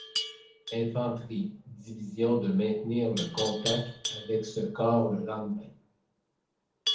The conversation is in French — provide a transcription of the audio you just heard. Infanterie-Division de maintenir le contact avec ce Korps le lendemain.